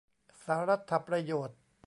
สารัตถประโยชน์